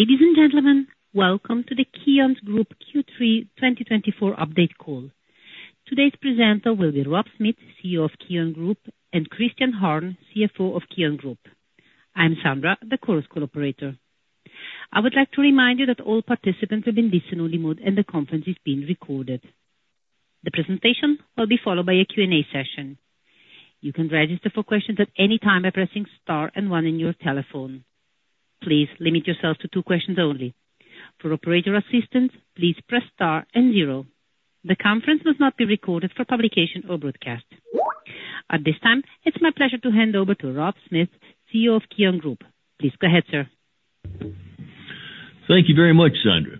Ladies and gentlemen, welcome to the KION Group Q3 2024 update call. Today's presenter will be Rob Smith, CEO of KION Group, and Christian Harm, CFO of KION Group. I'm Sandra, the Chorus Call operator. I would like to remind you that all participants have been placed on mute, and the conference is being recorded. The presentation will be followed by a Q&A session. You can register for questions at any time by pressing star and one on your telephone. Please limit yourself to two questions only. For operator assistance, please press star and zero. The conference must not be recorded for publication or broadcast. At this time, it's my pleasure to hand over to Rob Smith, CEO of KION Group. Please go ahead, sir. Thank you very much, Sandra.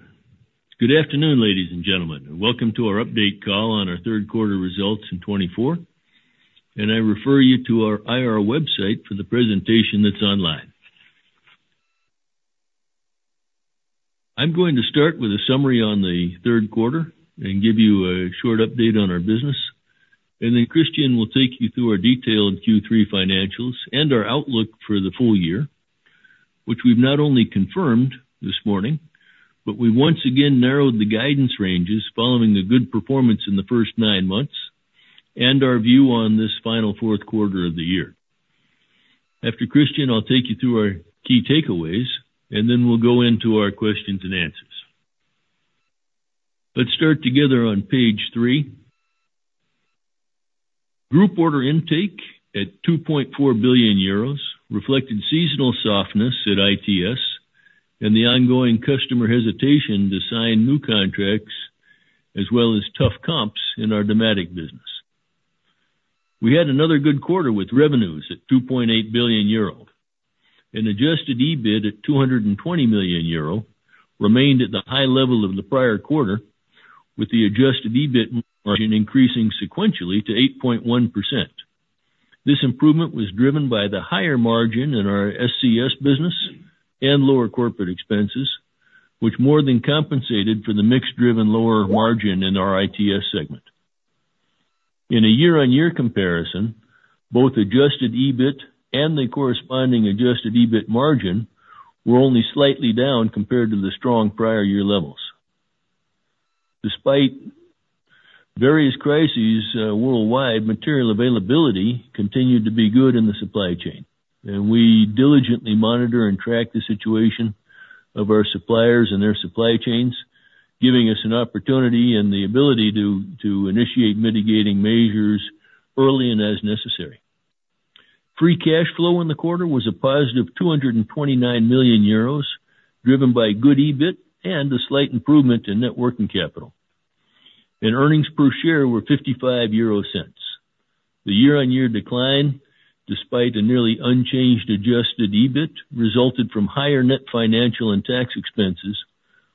Good afternoon, ladies and gentlemen, and welcome to our update call on our third quarter results in 2024. And I refer you to our IR website for the presentation that's online. I'm going to start with a summary on the third quarter and give you a short update on our business. And then Christian will take you through our detailed Q3 financials and our outlook for the full year, which we've not only confirmed this morning, but we once again narrowed the guidance ranges following a good performance in the first nine months and our view on this final fourth quarter of the year. After Christian, I'll take you through our key takeaways, and then we'll go into our questions and answers. Let's start together on page three. Group order intake at 2.4 billion euros reflected seasonal softness at ITS and the ongoing customer hesitation to sign new contracts, as well as tough comps in our domestic business. We had another good quarter with revenues at 2.8 billion euro and Adjusted EBIT at 220 million euro. Remained at the high level of the prior quarter, with the Adjusted EBIT margin increasing sequentially to 8.1%. This improvement was driven by the higher margin in our SCS business and lower corporate expenses, which more than compensated for the mixed-driven lower margin in our ITS segment. In a year-on-year comparison, both Adjusted EBIT and the corresponding Adjusted EBIT margin were only slightly down compared to the strong prior year levels. Despite various crises worldwide, material availability continued to be good in the supply chain, and we diligently monitor and track the situation of our suppliers and their supply chains, giving us an opportunity and the ability to initiate mitigating measures early and as necessary. Free cash flow in the quarter was a positive 229 million euros, driven by good EBIT and a slight improvement in net working capital. Earnings per share were 0.55. The year-on-year decline, despite a nearly unchanged adjusted EBIT, resulted from higher net financial and tax expenses,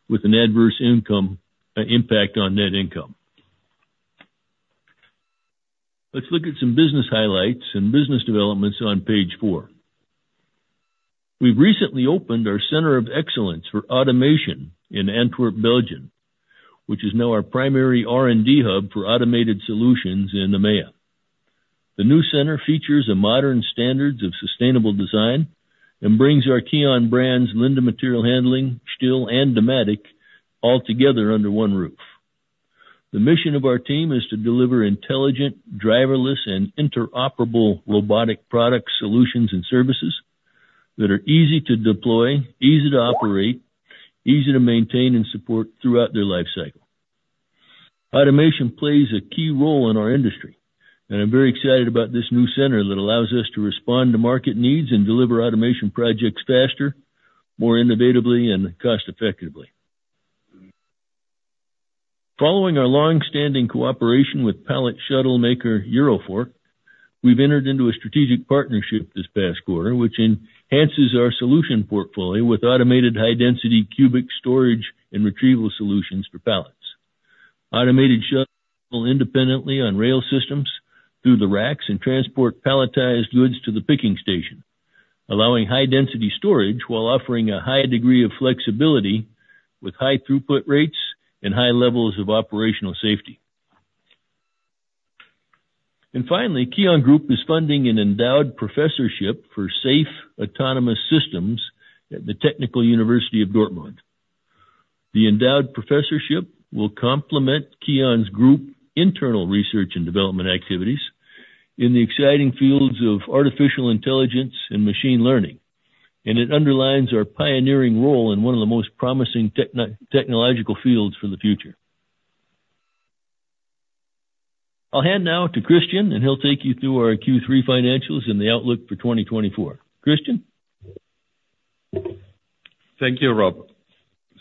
with an adverse income impact on net income. Let's look at some business highlights and business developments on page four. We've recently opened our center of excellence for automation in Antwerp, Belgium, which is now our primary R&D hub for automated solutions in the EMEA. The new center features modern standards of sustainable design and brings our KION brands, Linde Material Handling, STILL, and Dematic, all together under one roof. The mission of our team is to deliver intelligent, driverless, and interoperable robotic product solutions and services that are easy to deploy, easy to operate, easy to maintain, and support throughout their lifecycle. Automation plays a key role in our industry, and I'm very excited about this new center that allows us to respond to market needs and deliver automation projects faster, more innovatively, and cost-effectively. Following our long-standing cooperation with pallet shuttle maker Eurofork, we've entered into a strategic partnership this past quarter, which enhances our solution portfolio with automated high-density cubic storage and retrieval solutions for pallets. Automated shuttle independently on rail systems through the racks and transport palletized goods to the picking station, allowing high-density storage while offering a high degree of flexibility with high throughput rates and high levels of operational safety. And finally, KION Group is funding an endowed professorship for safe autonomous systems at the Technical University of Dortmund. The endowed professorship will complement KION's group internal research and development activities in the exciting fields of artificial intelligence and machine learning, and it underlines our pioneering role in one of the most promising technological fields for the future. I'll hand now to Christian, and he'll take you through our Q3 financials and the outlook for 2024. Christian? Thank you, Rob.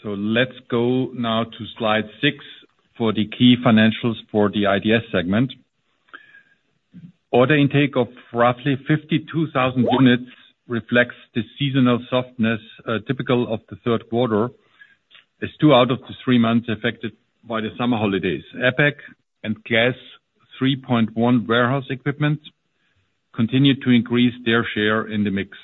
So let's go now to slide six for the key financials for the ITS segment. Order intake of roughly 52,000 units reflects the seasonal softness typical of the third quarter, as two out of the three months affected by the summer holidays. APAC and Class 3 warehouse equipment continued to increase their share in the mix.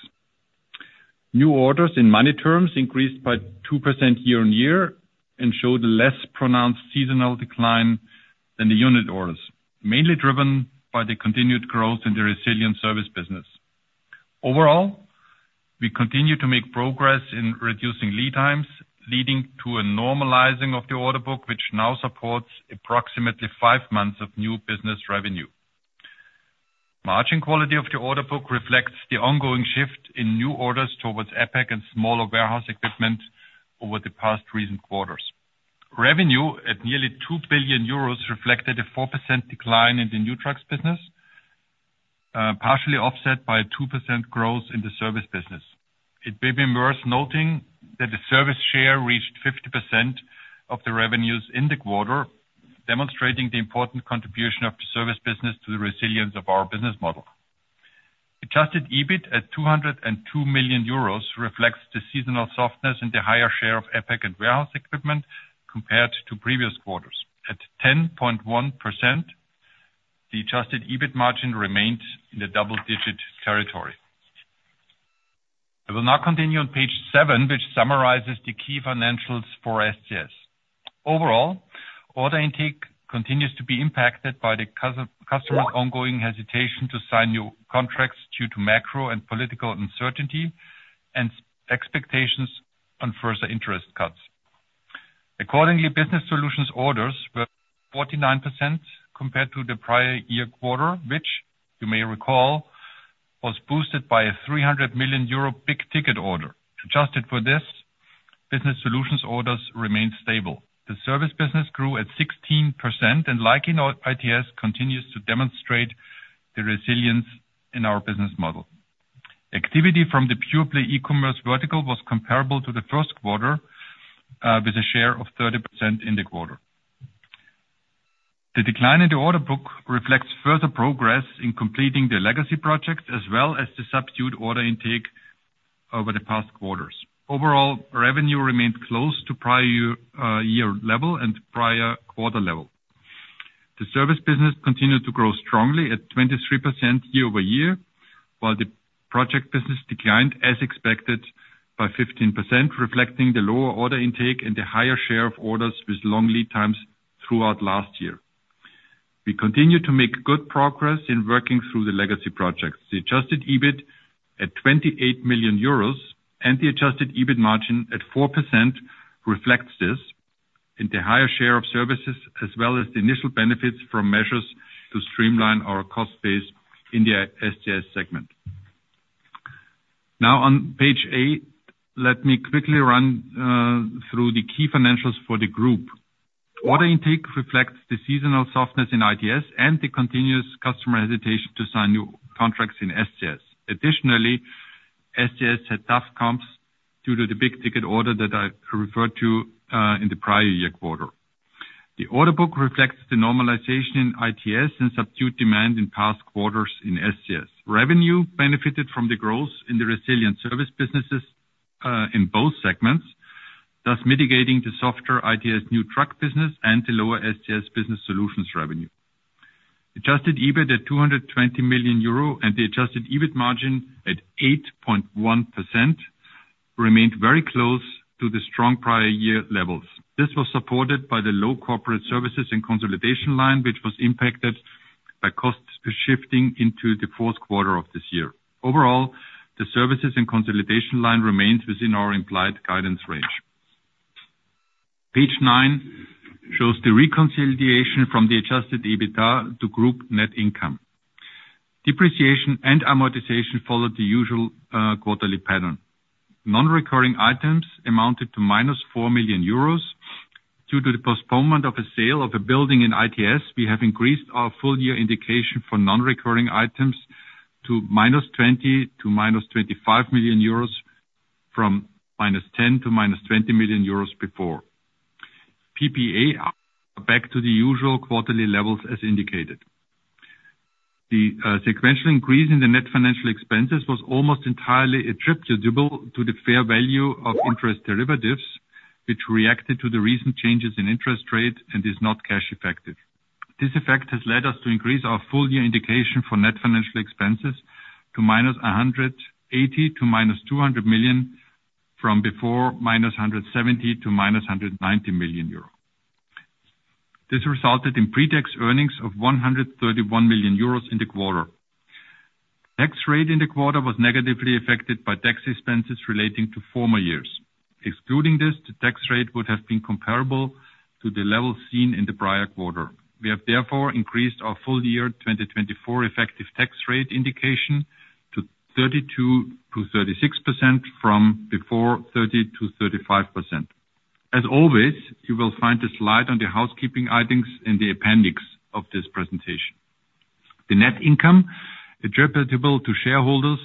New orders in money terms increased by 2% year on year and showed a less pronounced seasonal decline than the unit orders, mainly driven by the continued growth in the resilient service business. Overall, we continue to make progress in reducing lead times, leading to a normalizing of the order book, which now supports approximately five months of new business revenue. Margin quality of the order book reflects the ongoing shift in new orders towards APAC and smaller warehouse equipment over the past recent quarters. Revenue at nearly 2 billion euros reflected a 4% decline in the new trucks business, partially offset by a 2% growth in the service business. It may be worth noting that the service share reached 50% of the revenues in the quarter, demonstrating the important contribution of the service business to the resilience of our business model. Adjusted EBIT at 202 million euros reflects the seasonal softness and the higher share of APAC and warehouse equipment compared to previous quarters. At 10.1%, the adjusted EBIT margin remained in the double-digit territory. I will now continue on page seven, which summarizes the key financials for SCS. Overall, order intake continues to be impacted by the customer's ongoing hesitation to sign new contracts due to macro and political uncertainty and expectations on further interest cuts. Accordingly, Business Solutions orders were 49% compared to the prior year quarter, which, you may recall, was boosted by a 300 million euro big ticket order. Adjusted for this, Business Solutions orders remained stable. The service business grew at 16%, and, like, ITS continues to demonstrate the resilience in our business model. Activity from the purely e-commerce vertical was comparable to the first quarter, with a share of 30% in the quarter. The decline in the order book reflects further progress in completing the legacy projects, as well as the subdued order intake over the past quarters. Overall, revenue remained close to prior year level and prior quarter level. The service business continued to grow strongly at 23% year-over-year, while the project business declined as expected by 15%, reflecting the lower order intake and the higher share of orders with long lead times throughout last year. We continue to make good progress in working through the legacy projects. The Adjusted EBIT at 28 million euros and the Adjusted EBIT margin at 4% reflects this and the higher share of services, as well as the initial benefits from measures to streamline our cost base in the SCS segment. Now, on page eight, let me quickly run through the key financials for the group. Order intake reflects the seasonal softness in ITS and the continuous customer hesitation to sign new contracts in SCS. Additionally, SCS had tough comps due to the big ticket order that I referred to in the prior year quarter. The order book reflects the normalization in ITS and subdued demand in past quarters in SCS. Revenue benefited from the growth in the resilient service businesses in both segments, thus mitigating the softer ITS new truck business and the lower SCS business solutions revenue. Adjusted EBIT at 220 million euro and the adjusted EBIT margin at 8.1% remained very close to the strong prior year levels. This was supported by the low corporate services and consolidation line, which was impacted by costs shifting into the fourth quarter of this year. Overall, the services and consolidation line remains within our implied guidance range. Page nine shows the reconciliation from the adjusted EBITDA to group net income. Depreciation and amortization followed the usual quarterly pattern. Non-recurring items amounted to 4 million euros. Due to the postponement of a sale of a building in ITS, we have increased our full year indication for non-recurring items to 20 million-25 million euros from EUR 10 million-EUR 20 million before. PPA are back to the usual quarterly levels as indicated. The sequential increase in the net financial expenses was almost entirely attributable to the fair value of interest derivatives, which reacted to the recent changes in interest rate and is not cash effective. This effect has led us to increase our full year indication for net financial expenses to 180 million-200 million from before 170 million-190 million euro. This resulted in pre-tax earnings of 131 million euros in the quarter. Tax rate in the quarter was negatively affected by tax expenses relating to former years. Excluding this, the tax rate would have been comparable to the level seen in the prior quarter. We have therefore increased our full year 2024 effective tax rate indication to 32%-36% from before 30%-35%. As always, you will find the slide on the housekeeping items in the appendix of this presentation. The net income attributable to shareholders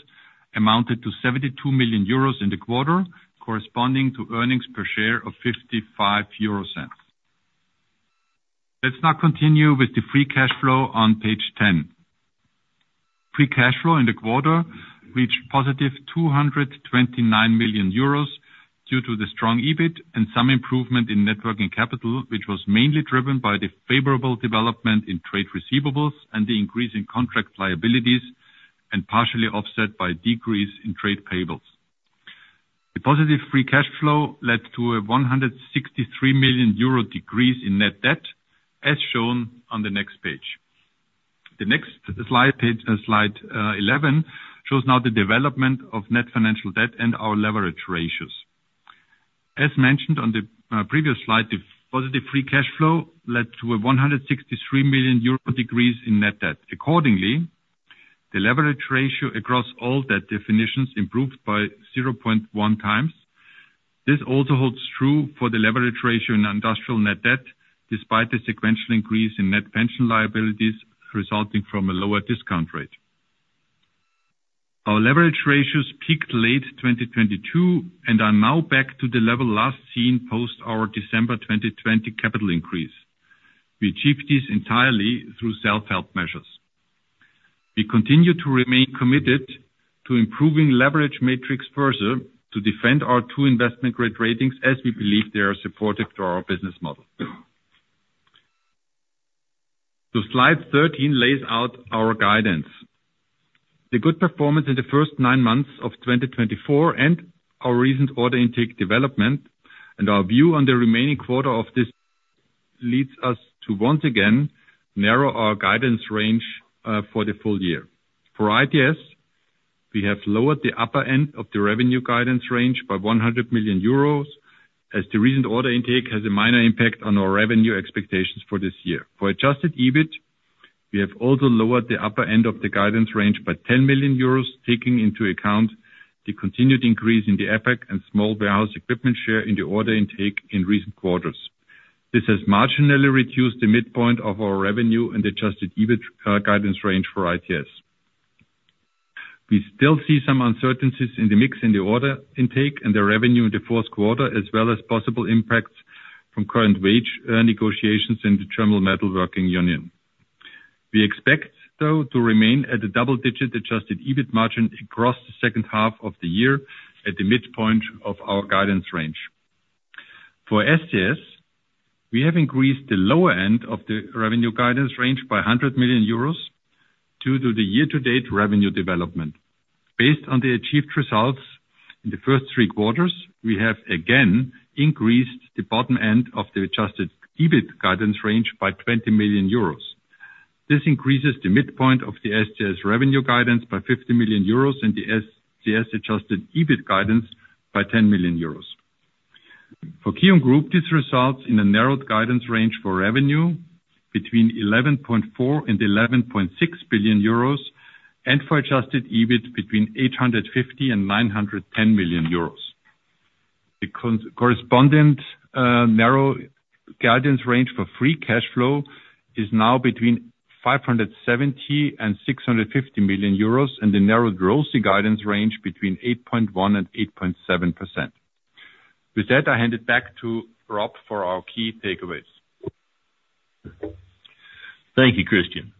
amounted to 72 million euros in the quarter, corresponding to earnings per share of 0.55. Let's now continue with the free cash flow on page ten. Free cash flow in the quarter reached positive 229 million euros due to the strong EBIT and some improvement in net working capital, which was mainly driven by the favorable development in trade receivables and the increase in contract liabilities and partially offset by decrease in trade payables. The positive free cash flow led to a 163 million euro decrease in net-debt, as shown on the next page. The next slide, page 11, shows now the development of net financial debt and our leverage ratios. As mentioned on the previous slide, the positive free cash flow led to a 163 million euro decrease in net debt. Accordingly, the leverage ratio across all debt definitions improved by 0.1x. This also holds true for the leverage ratio in industrial net debt, despite the sequential increase in net pension liabilities resulting from a lower discount rate. Our leverage ratios peaked late 2022 and are now back to the level last seen post our December 2020 capital increase. We achieved this entirely through self-help measures. We continue to remain committed to improving leverage matrix further to defend our two investment grade ratings as we believe they are supportive to our business model. The slide 13 lays out our guidance. The good performance in the first nine months of 2024 and our recent order intake development and our view on the remaining quarter of this leads us to once again narrow our guidance range for the full year. For ITS, we have lowered the upper end of the revenue guidance range by 100 million euros as the recent order intake has a minor impact on our revenue expectations for this year. For Adjusted EBIT, we have also lowered the upper end of the guidance range by 10 million euros, taking into account the continued increase in the APAC and small warehouse equipment share in the order intake in recent quarters. This has marginally reduced the midpoint of our revenue and Adjusted EBIT guidance range for ITS. We still see some uncertainties in the mix in the order intake and the revenue in the fourth quarter, as well as possible impacts from current wage negotiations in the German metalworking union. We expect, though, to remain at a double-digit Adjusted EBIT margin across the second half of the year at the midpoint of our guidance range. For SCS, we have increased the lower end of the revenue guidance range by 100 million euros due to the year-to-date revenue development. Based on the achieved results in the first three quarters, we have again increased the bottom end of the adjusted EBIT guidance range by 20 million euros. This increases the midpoint of the SCS revenue guidance by 50 million euros and the SCS adjusted EBIT guidance by 10 million euros. For KION Group, this results in a narrowed guidance range for revenue between 11.4 billion and 11.6 billion euros and for adjusted EBIT between 850 million and 910 million euros. The corresponding narrow guidance range for free cash flow is now between 570 million and 650 million euros and the narrowed ROSI guidance range between 8.1% and 8.7%. With that, I hand it back to Rob for our key takeaways. Thank you, Christian.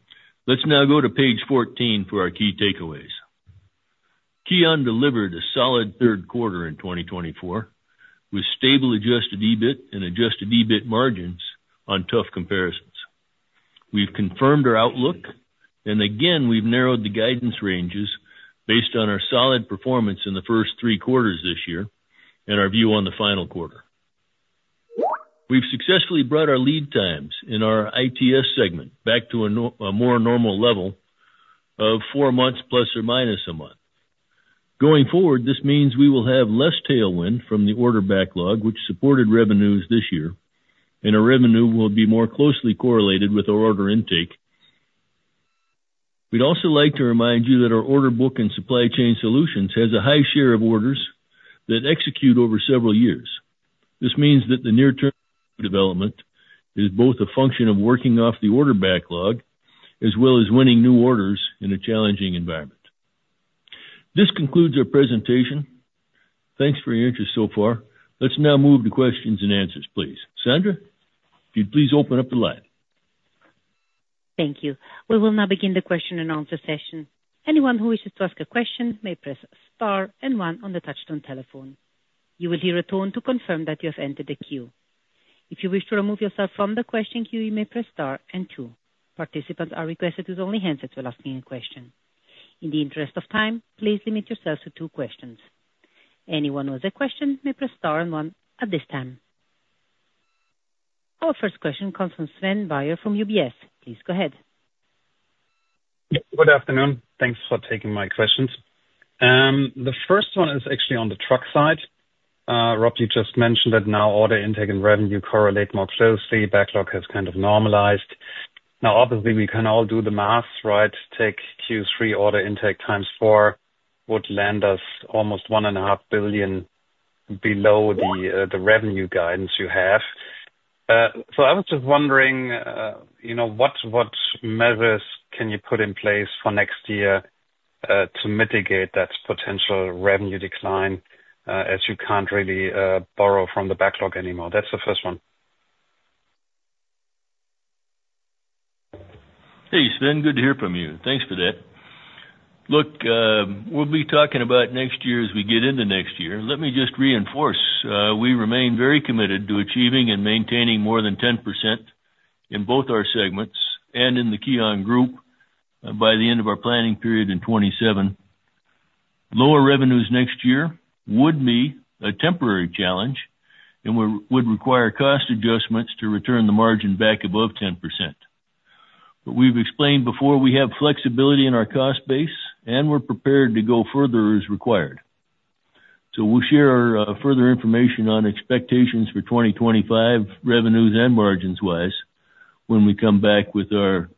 Let's now go to page 14 for our key takeaways. KION delivered a solid third quarter in 2024 with stable Adjusted EBIT and Adjusted EBIT margins on tough comparisons. We've confirmed our outlook, and again, we've narrowed the guidance ranges based on our solid performance in the first three quarters this year and our view on the final quarter. We've successfully brought our lead times in our ITS segment back to a more normal level of four months plus or minus a month. Going forward, this means we will have less tailwind from the order backlog, which supported revenues this year, and our revenue will be more closely correlated with our order intake. We'd also like to remind you that our order book and Supply Chain Solutions has a high share of orders that execute over several years. This means that the near-term development is both a function of working off the order backlog as well as winning new orders in a challenging environment. This concludes our presentation. Thanks for your interest so far. Let's now move to questions and answers, please. Sandra, if you'd please open up the line. Thank you. We will now begin the question and answer session. Anyone who wishes to ask a question may press star and one on the touch-tone telephone. You will hear a tone to confirm that you have entered the queue. If you wish to remove yourself from the question queue, you may press star and two. Participants are requested to use only handsets while asking a question. In the interest of time, please limit yourselves to two questions. Anyone who has a question may press star and one at this time. Our first question comes from Sven Weier from UBS. Please go ahead. Good afternoon. Thanks for taking my questions. The first one is actually on the truck side. Rob, you just mentioned that now order intake and revenue correlate more closely. Backlog has kind of normalized. Now, obviously, we can all do the math, right? Take Q3 order intake times four would land us almost €1.5 billion below the revenue guidance you have. So I was just wondering, what measures can you put in place for next year to mitigate that potential revenue decline as you can't really borrow from the backlog anymore? That's the first one. Hey, Sven, good to hear from you. Thanks for that. Look, we'll be talking about next year as we get into next year. Let me just reinforce we remain very committed to achieving and maintaining more than 10% in both our segments and in the KION Group by the end of our planning period in 2027. Lower revenues next year would be a temporary challenge and would require cost adjustments to return the margin back above 10%. But we've explained before we have flexibility in our cost base and we're prepared to go further as required. So we'll share further information on expectations for 2025 revenues and margins wise when we come back with our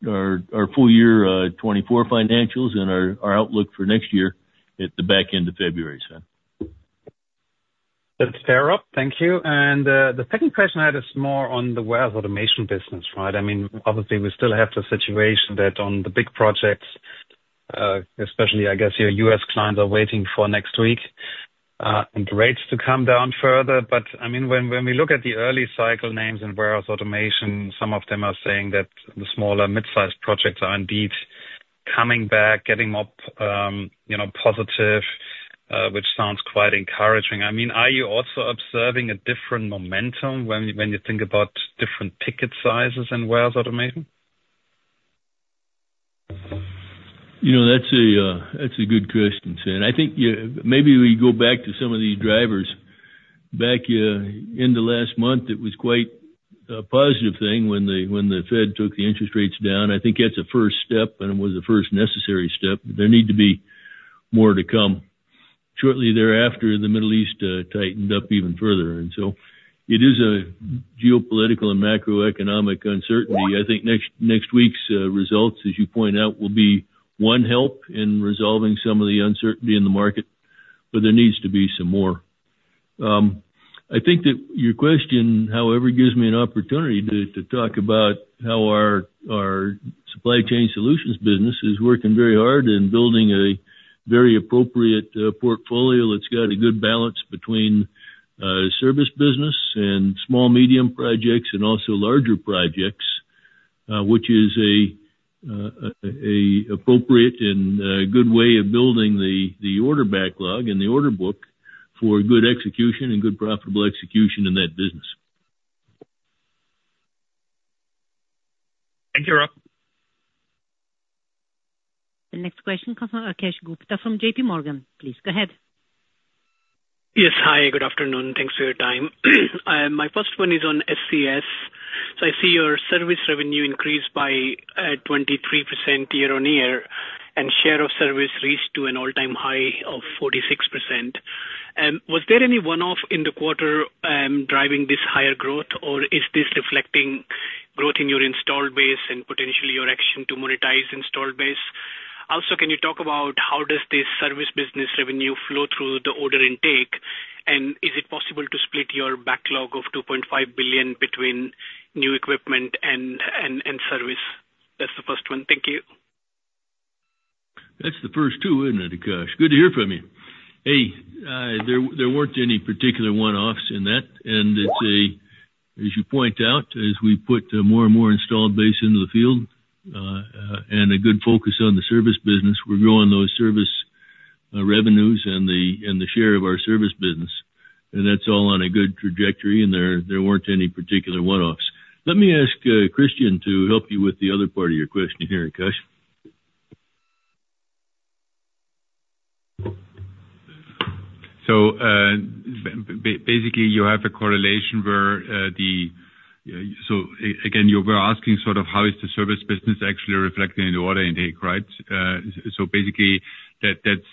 full year 2024 financials and our outlook for next year at the back end of February, Sven. That's fair, Rob. Thank you. And the second question I had is more on the warehouse automation business, right? I mean, obviously, we still have the situation that on the big projects, especially, I guess, your U.S. clients are waiting for next week and rates to come down further. But I mean, when we look at the early cycle names in warehouse automation, some of them are saying that the smaller mid-sized projects are indeed coming back, getting more positive, which sounds quite encouraging. I mean, are you also observing a different momentum when you think about different ticket sizes in warehouse automation? You know, that's a good question, Sven. I think maybe we go back to some of these drivers. Back in the last month, it was quite a positive thing when the Fed took the interest rates down. I think that's a first step and it was the first necessary step. There need to be more to come. Shortly thereafter, the Middle East tightened up even further, and so it is a geopolitical and macroeconomic uncertainty. I think next week's results, as you point out, will be one help in resolving some of the uncertainty in the market, but there needs to be some more. I think that your question, however, gives me an opportunity to talk about how our supply chain solutions business is working very hard in building a very appropriate portfolio that's got a good balance between service business and small, medium projects and also larger projects, which is an appropriate and good way of building the order backlog and the order book for good execution and good profitable execution in that business. Thank you, Rob. The next question comes from Akash Gupta from J.P. Morgan. Please go ahead. Yes, hi. Good afternoon. Thanks for your time. My first one is on SCS. So I see your service revenue increased by 23% year on year and share of service reached to an all-time high of 46%. Was there any one-off in the quarter driving this higher growth, or is this reflecting growth in your installed base and potentially your action to monetize installed base? Also, can you talk about how does this service business revenue flow through the order intake? And is it possible to split your backlog of 2.5 billion between new equipment and service? That's the first one. Thank you. That's the first two, isn't it, Akash? Good to hear from you. Hey, there weren't any particular one-offs in that, and as you point out, as we put more and more installed base into the field and a good focus on the service business, we're growing those service revenues and the share of our service business. And that's all on a good trajectory, and there weren't any particular one-offs. Let me ask Christian to help you with the other part of your question here, Akash. So basically, you have a correlation where—so again, you were asking sort of how is the service business actually reflecting the order intake, right? So basically, that's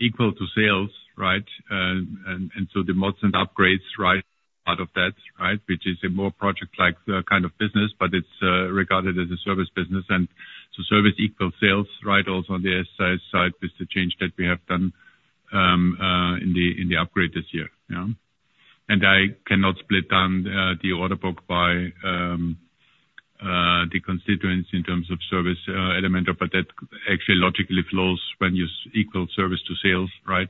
equal to sales, right? And so the mods and upgrades are part of that, right? Which is a more project-like kind of business, but it's regarded as a service business. And so service equals sales, right? Also on the SCS side with the change that we have done in the upgrade this year. And I cannot split down the order book by the constituents in terms of service element, but that actually logically flows when you equal service to sales, right?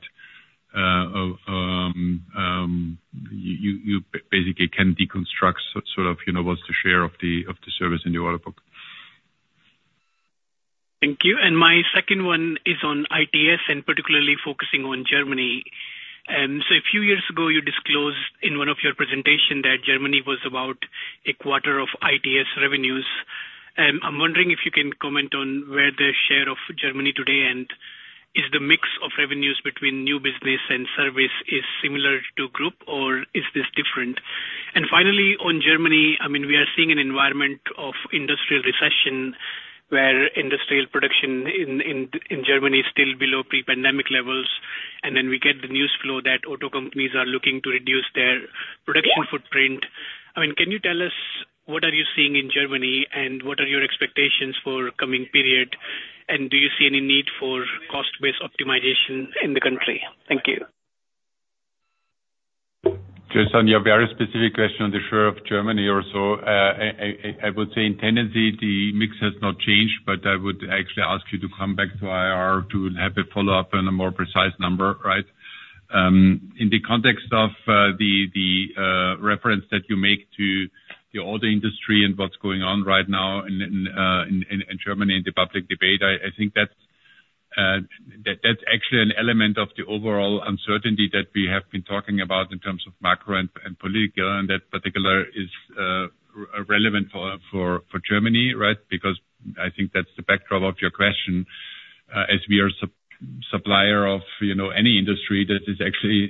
You basically can deconstruct sort of what's the share of the service in the order book. Thank you. My second one is on ITS and particularly focusing on Germany. So a few years ago, you disclosed in one of your presentations that Germany was about a quarter of ITS revenues. I'm wondering if you can comment on where the share of Germany today and is the mix of revenues between new business and service similar to group, or is this different? Finally, on Germany, I mean, we are seeing an environment of industrial recession where industrial production in Germany is still below pre-pandemic levels. Then we get the news flow that auto companies are looking to reduce their production footprint. I mean, can you tell us what are you seeing in Germany and what are your expectations for the coming period? Do you see any need for cost-based optimization in the country? Thank you. Just on your very specific question on the share of Germany or so, I would say in tendency, the mix has not changed, but I would actually ask you to come back to IR to have a follow-up and a more precise number, right? In the context of the reference that you make to the auto industry and what's going on right now in Germany in the public debate, I think that's actually an element of the overall uncertainty that we have been talking about in terms of macro and political, and that particular is relevant for Germany, right? Because I think that's the backdrop of your question. As we are a supplier of any industry that is actually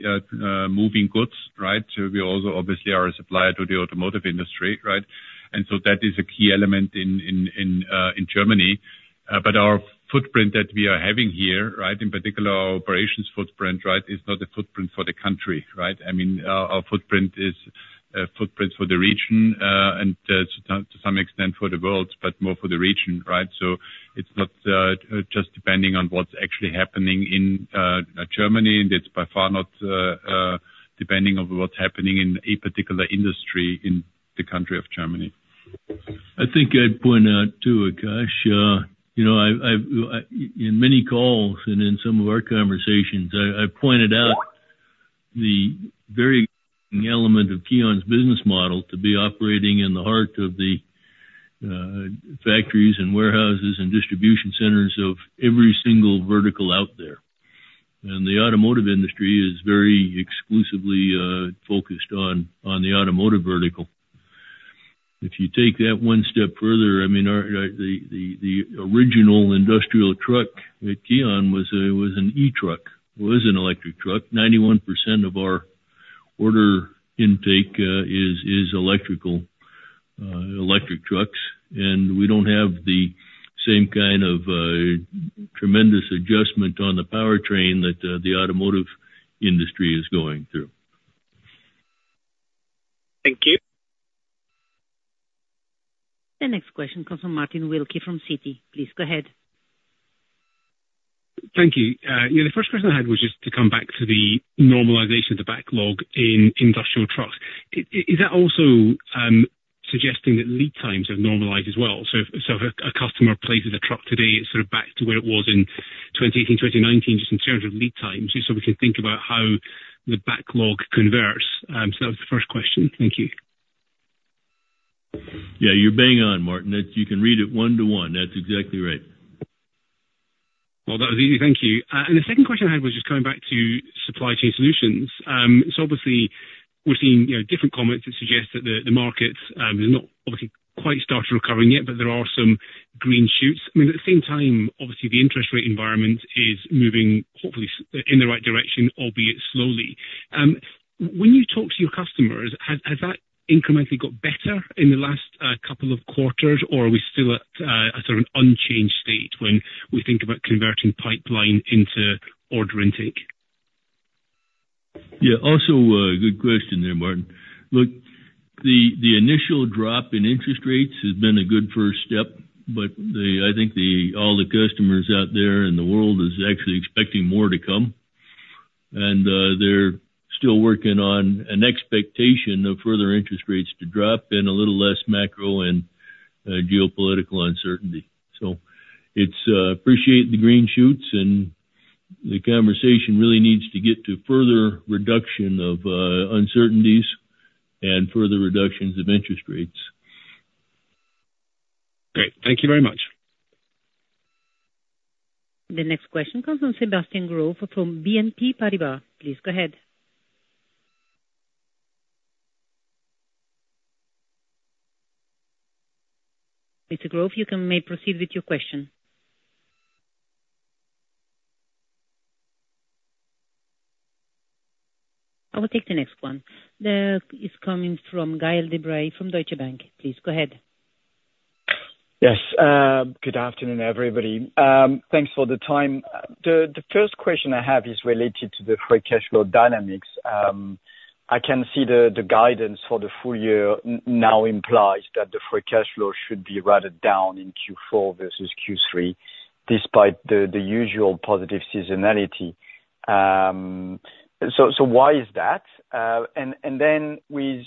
moving goods, right? We also obviously are a supplier to the automotive industry, right? And so that is a key element in Germany. But our footprint that we are having here, right? In particular, our operations footprint, right, is not a footprint for the country, right? I mean, our footprint is a footprint for the region and to some extent for the world, but more for the region, right? So it's not just depending on what's actually happening in Germany, and it's by far not depending on what's happening in a particular industry in the country of Germany. I think I'd point out too, Akash, in many calls and in some of our conversations, I pointed out the very element of KION's business model to be operating in the heart of the factories and warehouses and distribution centers of every single vertical out there, and the automotive industry is very exclusively focused on the automotive vertical. If you take that one step further, I mean, the original industrial truck at KION was an E truck. It was an electric truck. 91% of our order intake is electrical, electric trucks, and we don't have the same kind of tremendous adjustment on the powertrain that the automotive industry is going through. Thank you. The next question comes from Martin Wilkie from Citi. Please go ahead. Thank you. The first question I had was just to come back to the normalization of the backlog in industrial trucks. Is that also suggesting that lead times have normalized as well? So if a customer places a truck today, it's sort of back to where it was in 2018, 2019, just in terms of lead times. So we can think about how the backlog converts. So that was the first question. Thank you. Yeah, you're bang on, Martin. You can read it one to one. That's exactly right. That was easy. Thank you. The second question I had was just coming back to supply chain solutions. Obviously, we're seeing different comments that suggest that the market has not obviously quite started recovering yet, but there are some green shoots. I mean, at the same time, obviously, the interest rate environment is moving hopefully in the right direction, albeit slowly. When you talk to your customers, has that incrementally got better in the last couple of quarters, or are we still at a sort of unchanged state when we think about converting pipeline into order intake? Yeah, also a good question there, Martin. Look, the initial drop in interest rates has been a good first step, but I think all the customers out there in the world are actually expecting more to come, and they're still working on an expectation of further interest rates to drop and a little less macro and geopolitical uncertainty, so I appreciate the green shoots, and the conversation really needs to get to further reduction of uncertainties and further reductions of interest rates. Great. Thank you very much. The next question comes from Sebastian Growe from BNP Paribas. Please go ahead. Mr. Growe, you may proceed with your question. I will take the next one. The question is coming from Gaël de-Bray from Deutsche Bank. Please go ahead. Yes. Good afternoon, everybody. Thanks for the time. The first question I have is related to the free cash flow dynamics. I can see the guidance for the full year now implies that the free cash flow should be rather down in Q4 versus Q3 despite the usual positive seasonality. So why is that? And then with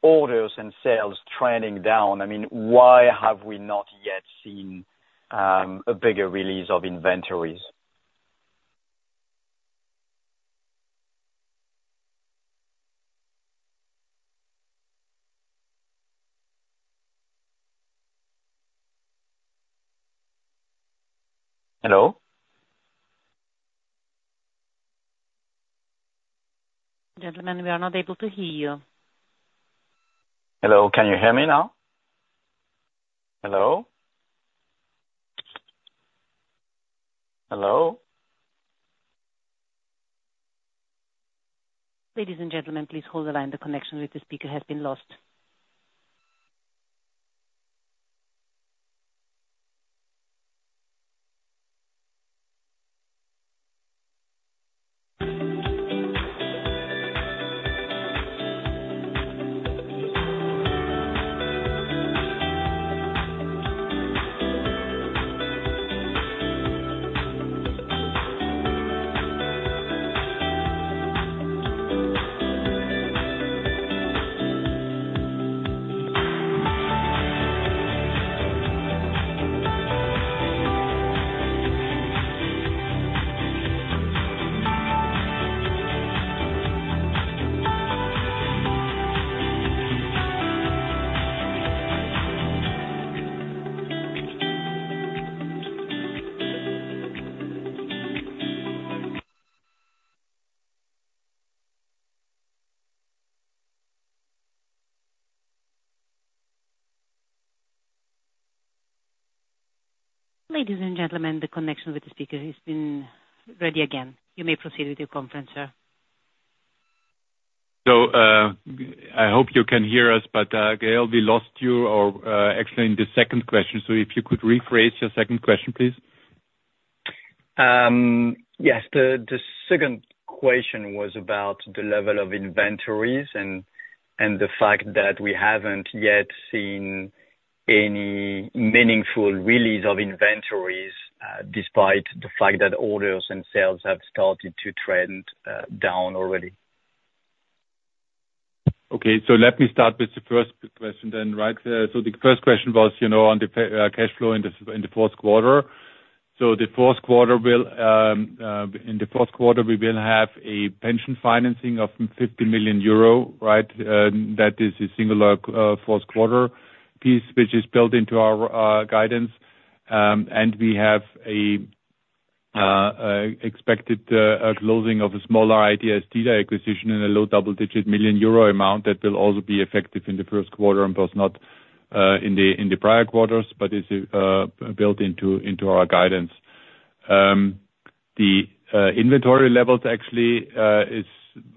orders and sales trending down, I mean, why have we not yet seen a bigger release of inventories? Hello? Gentlemen, we are not able to hear you. Hello. Can you hear me now? Hello? Hello? Ladies and gentlemen, please hold the line. The connection with the speaker has been lost. Ladies and gentlemen, the connection with the speaker has been restored again. You may proceed with your conference, sir. So I hope you can hear us, but Gaël, we lost you, or actually, in the second question. So if you could rephrase your second question, please. Yes. The second question was about the level of inventories and the fact that we haven't yet seen any meaningful release of inventories despite the fact that orders and sales have started to trend down already. Okay. So let me start with the first question then, right? So the first question was on the cash flow in the fourth quarter. So in the fourth quarter, we will have a pension financing of €50 million, right? That is a singular fourth quarter piece, which is built into our guidance. And we have an expected closing of a smaller ITS dealer acquisition and a low double-digit million euro amount that will also be effective in the first quarter and was not in the prior quarters, but is built into our guidance. The inventory levels actually are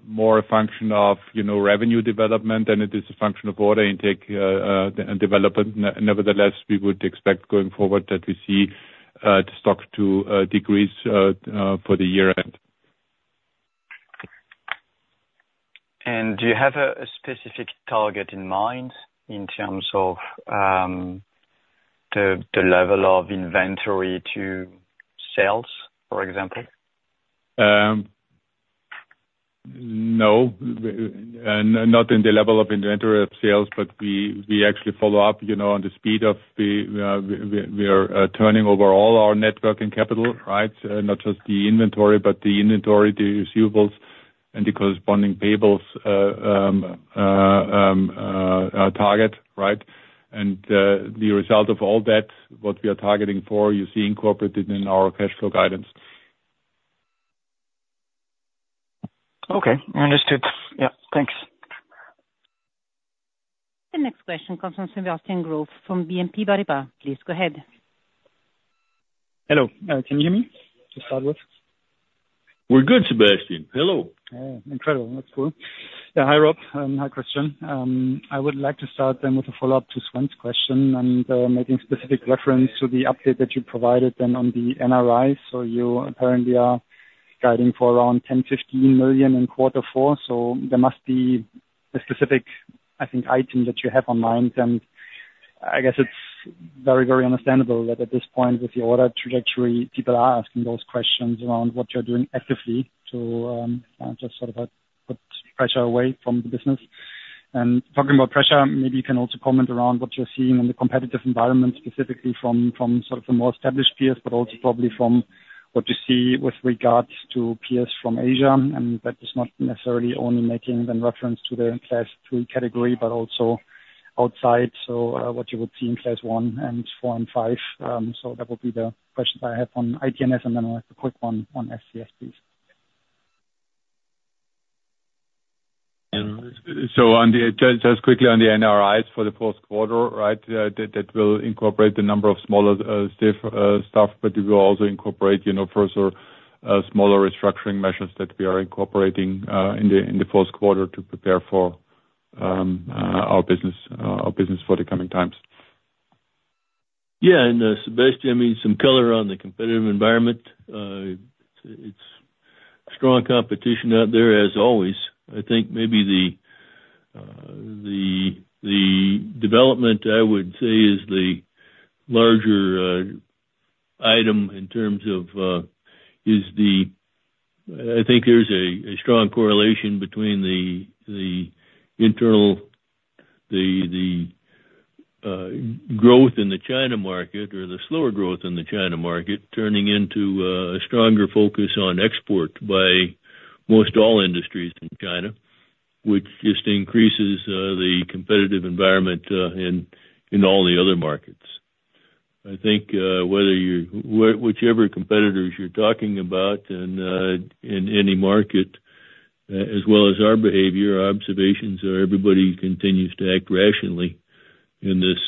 more a function of revenue development than it is a function of order intake development. Nevertheless, we would expect going forward that we see the stock decrease for the year end. Do you have a specific target in mind in terms of the level of inventory to sales, for example? No. Not in the level of inventory of sales, but we actually follow up on the speed of we are turning over all our net working capital, right? Not just the inventory, but the inventory, the receivables, and the corresponding payables target, right? And the result of all that, what we are targeting for, you're seeing incorporated in our cash flow guidance. Okay. Understood. Yeah. Thanks. The next question comes from Sebastian Growe from BNP Paribas. Please go ahead. Hello. Can you hear me? Just start with. We're good, Sebastian. Hello. Incredible. That's cool. Yeah. Hi, Rob. Hi, Christian. I would like to start then with a follow-up to Sven's question and making specific reference to the update that you provided then on the NRI. So you apparently are guiding for around 10 million-15 million in quarter four. So there must be a specific, I think, item that you have on mind. And I guess it's very, very understandable that at this point, with the order trajectory, people are asking those questions around what you're doing actively to just sort of put pressure away from the business. And talking about pressure, maybe you can also comment around what you're seeing in the competitive environment, specifically from sort of the more established peers, but also probably from what you see with regards to peers from Asia. And that is not necessarily only making reference to the Class 3 category, but also outside. So what you would see in Class 1 and 4 and 5. So that would be the questions I have on ITS, and then I have a quick one on SCS, please. So just quickly on the NRIs for the fourth quarter, right? That will incorporate the number of smaller staff, but we will also incorporate further smaller restructuring measures that we are incorporating in the fourth quarter to prepare for our business for the coming times. Yeah. And Sebastian, I mean, some color on the competitive environment. It's strong competition out there as always. I think maybe the development, I would say, is the larger item in terms of, I think, there's a strong correlation between the internal growth in the China market or the slower growth in the China market turning into a stronger focus on export by most all industries in China, which just increases the competitive environment in all the other markets. I think whichever competitors you're talking about in any market, as well as our behavior, our observations are everybody continues to act rationally in this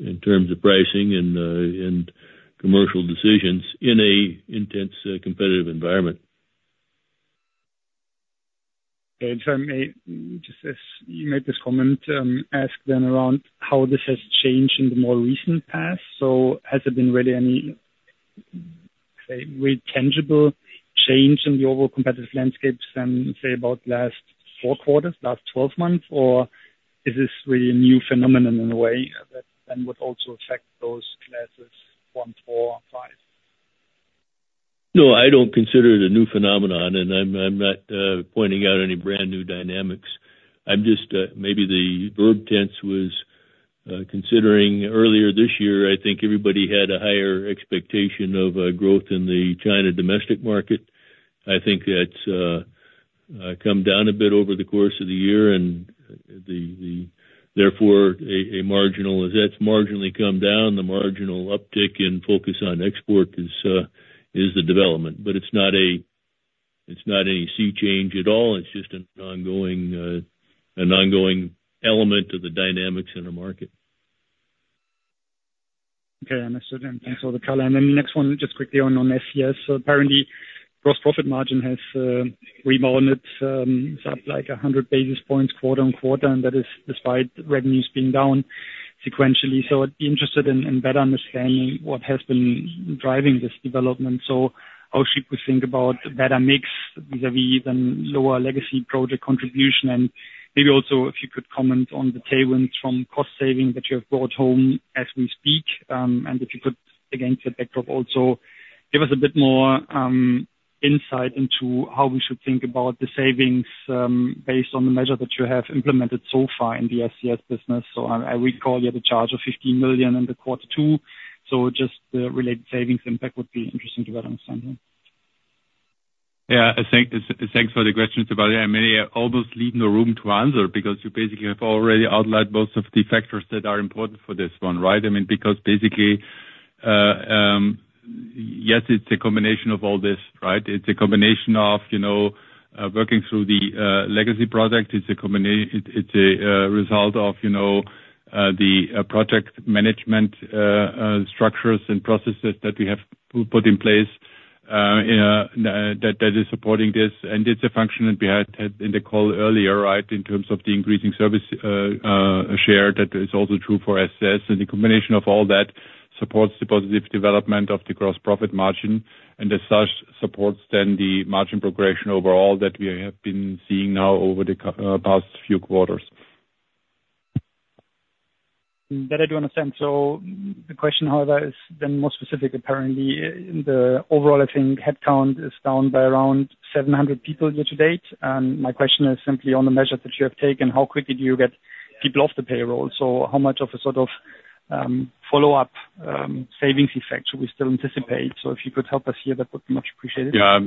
in terms of pricing and commercial decisions in an intense competitive environment. Just as you make this comment, ask then around how this has changed in the more recent past. Has there been really any really tangible change in the overall competitive landscape since, say, about last four quarters, last 12 months? Or is this really a new phenomenon in a way that then would also affect those classes one, four, five? No, I don't consider it a new phenomenon, and I'm not pointing out any brand new dynamics. I'm just maybe the verb tense was considering earlier this year. I think everybody had a higher expectation of growth in the China domestic market. I think that's come down a bit over the course of the year, and therefore a marginal that's marginally come down. The marginal uptick in focus on export is the development, but it's not a sea change at all. It's just an ongoing element of the dynamics in the market. Okay. I understood. And thanks for the color. And then the next one, just quickly on SCS. So apparently, gross profit margin has rebounded up like 100 basis points quarter on quarter, and that is despite revenues being down sequentially. So I'd be interested in better understanding what has been driving this development. So how should we think about better mix vis-à-vis then lower legacy project contribution? And maybe also if you could comment on the tailwinds from cost savings that you have brought home as we speak. And if you could, again, for the backdrop, also give us a bit more insight into how we should think about the savings based on the measure that you have implemented so far in the SCS business. So I recall you had a charge of 15 million in the quarter two. Just the related savings impact would be interesting to better understand here. Yeah. Thanks for the question, Sebastian. I mean, I almost leave no room to answer because you basically have already outlined most of the factors that are important for this one, right? I mean, because basically, yes, it's a combination of all this, right? It's a combination of working through the legacy project. It's a result of the project management structures and processes that we have put in place that is supporting this. And it's a function that we had in the call earlier, right, in terms of the increasing service share that is also true for SCS. And the combination of all that supports the positive development of the gross profit margin, and as such, supports then the margin progression overall that we have been seeing now over the past few quarters. That I do understand. So the question, however, is then more specific. Apparently, the overall, I think, headcount is down by around 700 people year to date. And my question is simply on the measures that you have taken, how quickly do you get people off the payroll? So how much of a sort of follow-up savings effect should we still anticipate? So if you could help us here, that would be much appreciated. Yeah.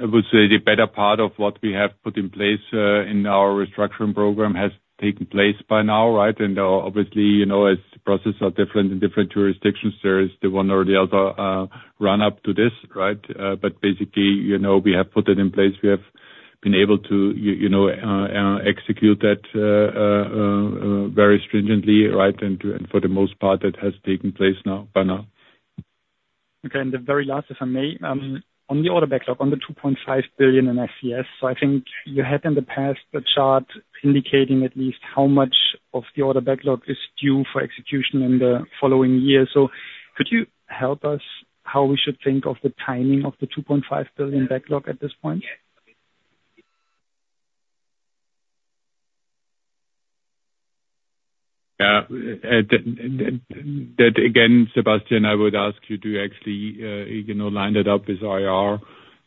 I would say the better part of what we have put in place in our restructuring program has taken place by now, right? And obviously, as the processes are different in different jurisdictions, there is the one or the other run-up to this, right? But basically, we have put it in place. We have been able to execute that very stringently, right? And for the most part, that has taken place by now. Okay. And the very last, if I may, on the order backlog, on the 2.5 billion in SCS. So I think you had in the past a chart indicating at least how much of the order backlog is due for execution in the following year. So could you help us how we should think of the timing of the 2.5 billion backlog at this point? Yeah. Again, Sebastian, I would ask you to actually line it up with IR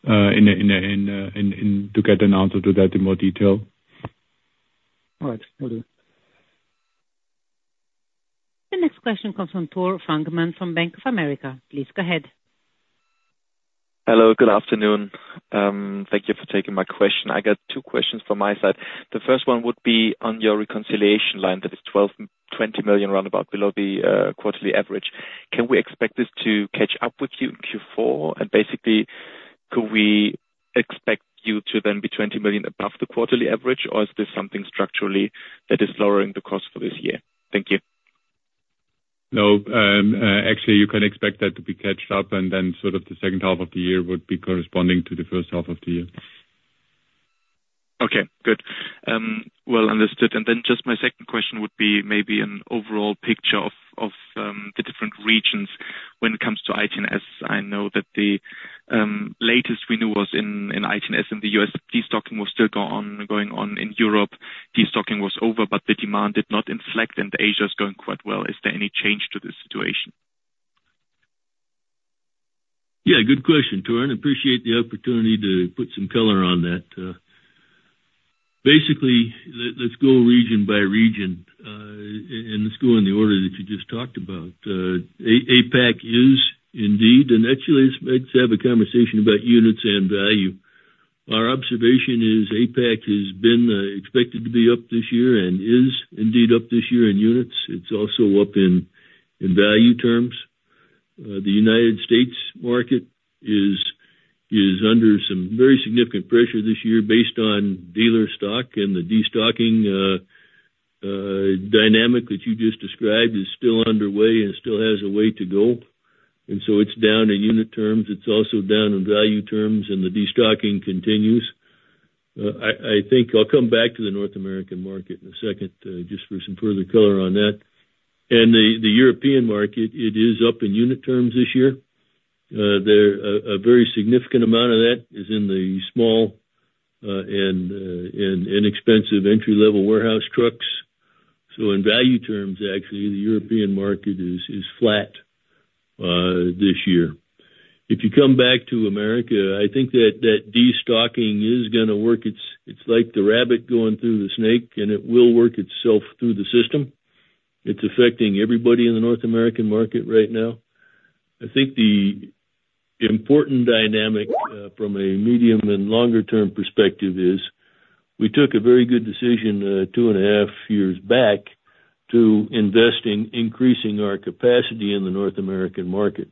to get an answer to that in more detail. All right. Will do. The next question comes from Tore Fangmann from Bank of America. Please go ahead. Hello. Good afternoon. Thank you for taking my question. I got two questions from my side. The first one would be on your reconciliation line that is 20 million roundabout below the quarterly average. Can we expect this to catch up with you in Q4? And basically, could we expect you to then be 20 million above the quarterly average, or is this something structurally that is lowering the cost for this year? Thank you. No. Actually, you can expect that to be caught up, and then sort of the second half of the year would be corresponding to the first half of the year. Okay. Good. Well understood. Then just my second question would be maybe an overall picture of the different regions. When it comes to ITS, I know that the latest we knew was in ITS in the U.S. De-stocking was still going on in Europe. De-stocking was over, but the demand did not pick up, and Asia is going quite well. Is there any change to this situation? Yeah. Good question, Tore. And I appreciate the opportunity to put some color on that. Basically, let's go region by region, and let's go in the order that you just talked about. APAC is indeed. Actually, let's have a conversation about units and value. Our observation is APAC has been expected to be up this year and is indeed up this year in units. It's also up in value terms. The United States market is under some very significant pressure this year based on dealer stock, and the de-stocking dynamic that you just described is still underway and still has a way to go. And so it's down in unit terms. It's also down in value terms, and the de-stocking continues. I think I'll come back to the North American market in a second just for some further color on that. And the European market, it is up in unit terms this year. A very significant amount of that is in the small and inexpensive entry-level warehouse trucks. So in value terms, actually, the European market is flat this year. If you come back to America, I think that de-stocking is going to work. It's like the rabbit going through the snake, and it will work itself through the system. It's affecting everybody in the North American market right now. I think the important dynamic from a medium and longer-term perspective is we took a very good decision two and a half years back to invest in increasing our capacity in the North American market.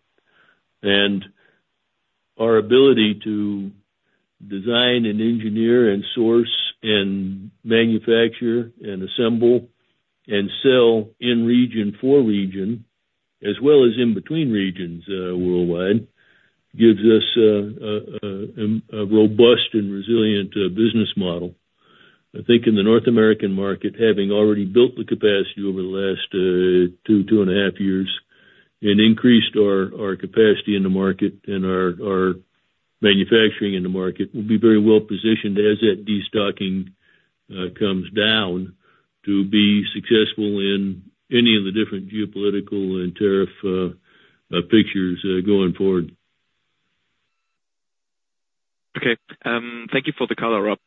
And our ability to design and engineer and source and manufacture and assemble and sell in region for region, as well as in between regions worldwide, gives us a robust and resilient business model. I think in the North American market, having already built the capacity over the last two and a half years, and increased our capacity in the market and our manufacturing in the market, we'll be very well positioned as that de-stocking comes down to be successful in any of the different geopolitical and tariff pictures going forward. Okay. Thank you for the color, Rob.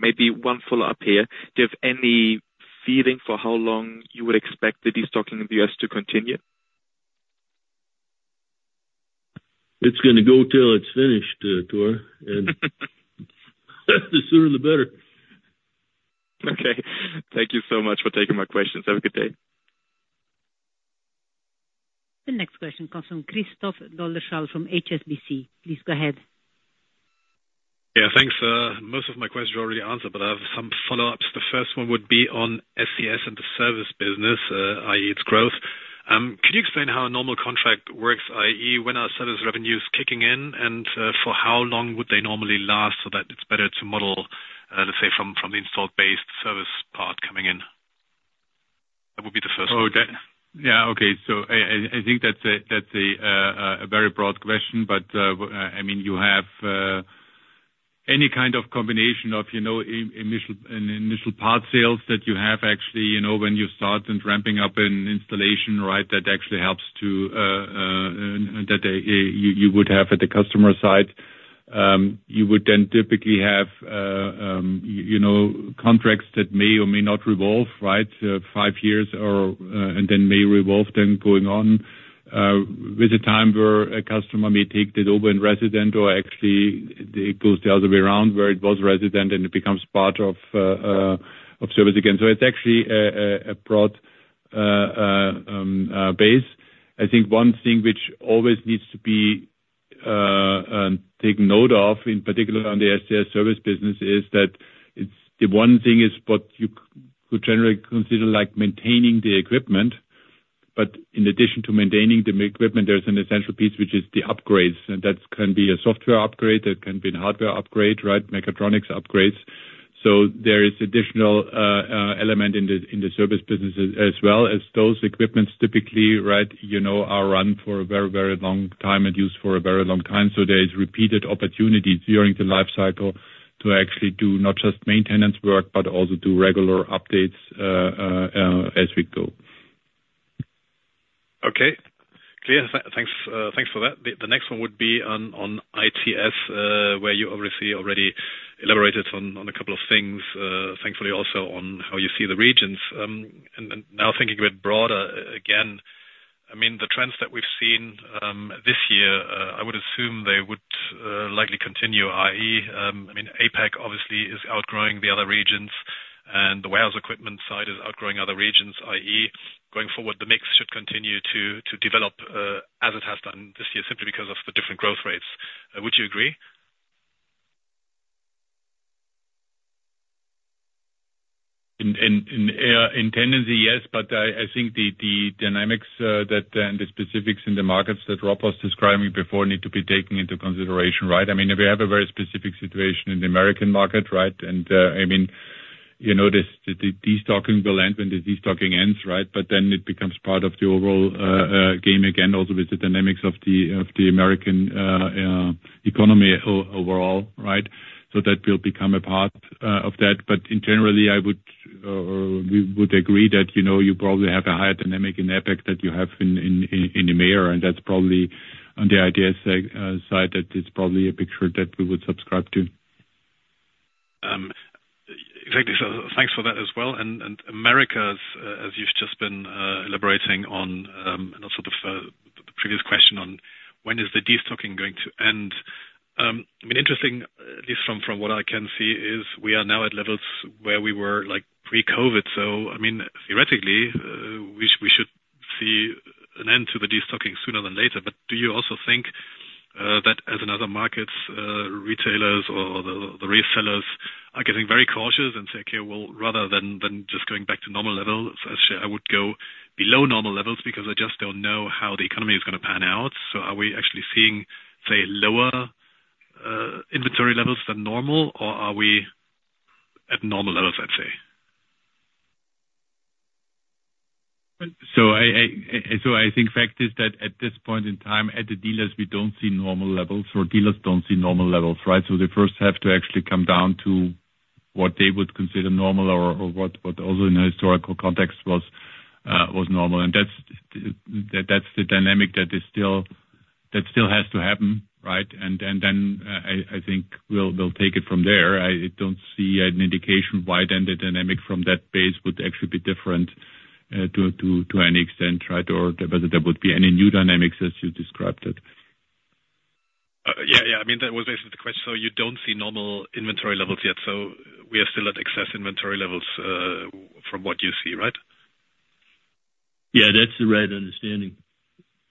Maybe one follow-up here. Do you have any feeling for how long you would expect the de-stocking in the U.S. to continue? It's going to go till it's finished, Tore, and the sooner, the better. Okay. Thank you so much for taking my questions. Have a good day. The next question comes from Christoph Dolleschal from HSBC. Please go ahead. Yeah. Thanks. Most of my questions are already answered, but I have some follow-ups. The first one would be on SCS and the service business, i.e., its growth. Could you explain how a normal contract works, i.e., when are service revenues kicking in, and for how long would they normally last so that it's better to model, let's say, from the installed base service part coming in? That would be the first one. So I think that's a very broad question, but I mean, you have any kind of combination of initial part sales that you have actually when you start and ramping up an installation, right, that actually helps to that you would have at the customer side. You would then typically have contracts that may or may not revolve, right, five years or and then may revolve then going on with a time where a customer may take that over in resident or actually it goes the other way around where it was resident and it becomes part of service again. So it's actually a broad base. I think one thing which always needs to be taken note of, in particular on the SCS service business, is that the one thing is what you could generally consider like maintaining the equipment, but in addition to maintaining the equipment, there's an essential piece which is the upgrades, and that can be a software upgrade. That can be a hardware upgrade, right, mechatronics upgrades, so there is an additional element in the service business as well as those equipment typically, right, are run for a very, very long time and used for a very long time, so there is repeated opportunities during the lifecycle to actually do not just maintenance work, but also do regular updates as we go. Okay. Clear. Thanks for that. The next one would be on ITS, where you obviously already elaborated on a couple of things, thankfully also on how you see the regions. And now thinking a bit broader again, I mean, the trends that we've seen this year, I would assume they would likely continue, i.e., I mean, APAC obviously is outgrowing the other regions, and the warehouse equipment side is outgrowing other regions, i.e., going forward, the mix should continue to develop as it has done this year simply because of the different growth rates. Would you agree? In tendency, yes, but I think the dynamics and the specifics in the markets that Rob was describing before need to be taken into consideration, right? I mean, we have a very specific situation in the American market, right, and I mean, you know the de-stocking will end when the de-stocking ends, right, but then it becomes part of the overall game again, also with the dynamics of the American economy overall, right, so that will become a part of that, but generally, I would agree that you probably have a higher dynamic in APAC than you have in EMEA, and that's probably on the ITS side that it's probably a picture that we would subscribe to. Exactly. So thanks for that as well. And in America, as you've just been elaborating on sort of the previous question on when is the de-stocking going to end, I mean, interesting, at least from what I can see, is we are now at levels where we were pre-COVID. So I mean, theoretically, we should see an end to the de-stocking sooner than later. But do you also think that in other markets, retailers or the resellers are getting very cautious and say, "Okay, well, rather than just going back to normal levels, I would go below normal levels because I just don't know how the economy is going to pan out"? So are we actually seeing, say, lower inventory levels than normal, or are we at normal levels, let's say? So I think fact is that at this point in time, at the dealers, we don't see normal levels or dealers don't see normal levels, right? So they first have to actually come down to what they would consider normal or what also in a historical context was normal. And that's the dynamic that still has to happen, right? And then I think we'll take it from there. I don't see an indication why then the dynamic from that base would actually be different to any extent, right, or whether there would be any new dynamics as you described it. Yeah. Yeah. I mean, that was basically the question. So you don't see normal inventory levels yet. So we are still at excess inventory levels from what you see, right? Yeah. That's the right understanding.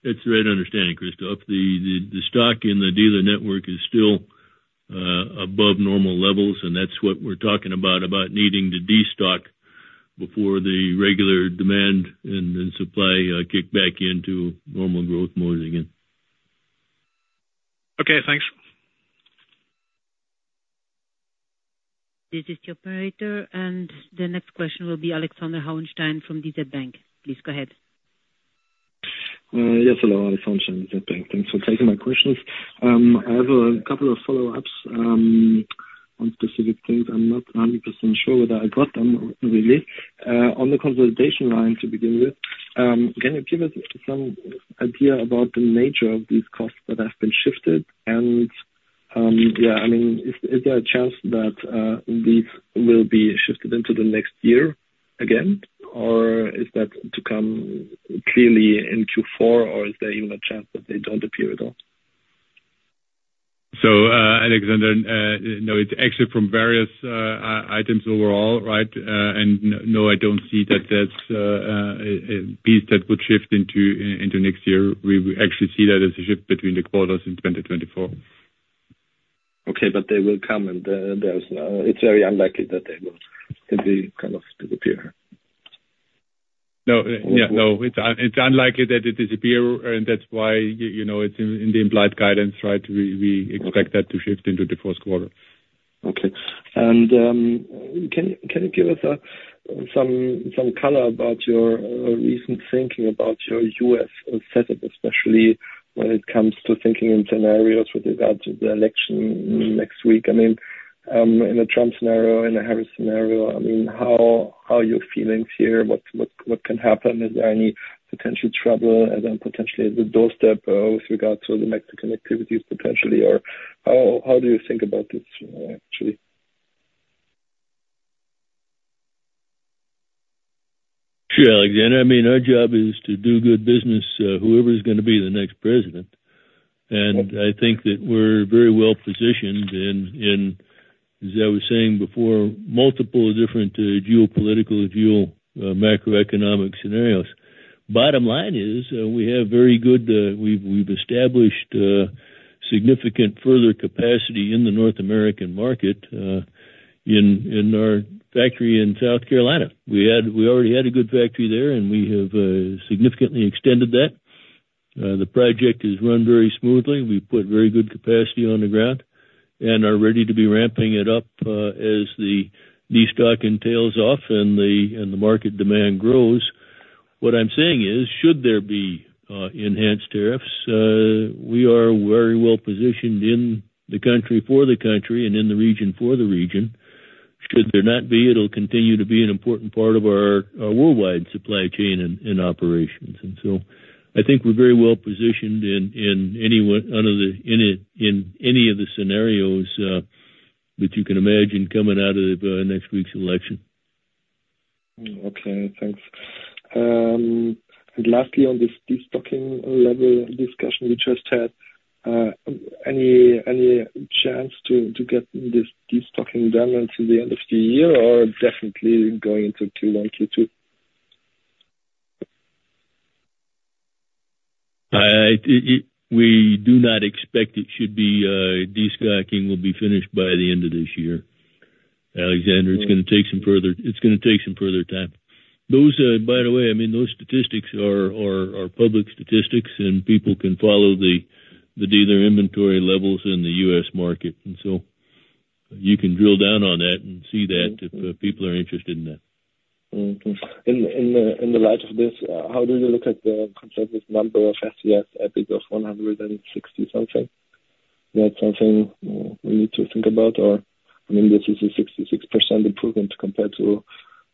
That's the right understanding, Christoph. The stock in the dealer network is still above normal levels, and that's what we're talking about, about needing to de-stock before the regular demand and supply kick back into normal growth modes again. Okay. Thanks. This is the operator, and the next question will be Alexander Hauenstein from DZ Bank. Please go ahead. Yes. Hello. Alexander Hauenstein from DZ Bank. Thanks for taking my questions. I have a couple of follow-ups on specific things. I'm not 100% sure whether I got them really. On the consolidation line to begin with, can you give us some idea about the nature of these costs that have been shifted? And yeah, I mean, is there a chance that these will be shifted into the next year again, or is that to come clearly in Q4, or is there even a chance that they don't appear at all? So Alexander, no, it's actually from various items overall, right? And no, I don't see that that's a piece that would shift into next year. We actually see that as a shift between the quarters in 2024. Okay. But they will come, and it's very unlikely that they will simply kind of disappear. No. Yeah. No, it's unlikely that they disappear, and that's why it's in the implied guidance, right? We expect that to shift into the fourth quarter. Okay. And can you give us some color about your recent thinking about your U.S. setup, especially when it comes to thinking in scenarios with regard to the election next week? I mean, in a Trump scenario, in a Harris scenario, I mean, how are your feelings here? What can happen? Is there any potential trouble and then potentially the doorstep with regard to the Mexican activities potentially, or how do you think about this actually? Sure, Alexander. I mean, our job is to do good business, whoever is going to be the next president, and I think that we're very well positioned in, as I was saying before, multiple different geopolitical, geomacroeconomic scenarios. Bottom line is we have very good, we've established significant further capacity in the North American market in our factory in South Carolina. We already had a good factory there, and we have significantly extended that. The project is run very smoothly. We put very good capacity on the ground and are ready to be ramping it up as the de-stocking tails off and the market demand grows. What I'm saying is, should there be enhanced tariffs, we are very well positioned in the country for the country and in the region for the region. Should there not be, it'll continue to be an important part of our worldwide supply chain and operations, and so I think we're very well positioned in any of the scenarios that you can imagine coming out of next week's election. Okay. Thanks, and lastly, on this de-stocking level discussion we just had, any chance to get this de-stocking done until the end of the year or definitely going into Q1, Q2? We do not expect it should be de-stocking will be finished by the end of this year. Alexander, it's going to take some further time. By the way, I mean, those statistics are public statistics, and people can follow the dealer inventory levels in the U.S. market. So you can drill down on that and see that if people are interested in that. Okay. In the light of this, how do you look at the number of SCS episodes of 160-something? Is that something we need to think about, or I mean, this is a 66% improvement compared to